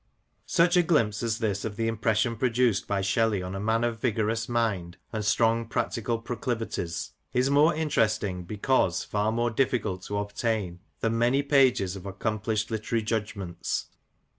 Such a glimpse as this of the impression produced by Shelley on a man of vigorous mind and strong practical proclivities is more interesting, because far more difficult to obtain, than many pages of accomplished literary judgments.